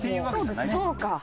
そうか。